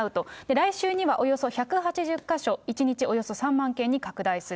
来週にはおよそ１８０か所、１日およそ３万件に拡大する。